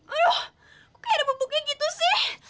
aduh kok kayak ada bubuknya gitu sih